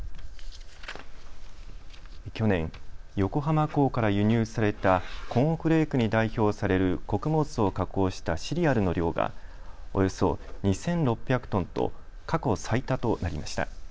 去年、横浜港から輸入されたコーンフレークに代表される穀物を加工したシリアルの量がおよそ２６００トンと過去最多となりました。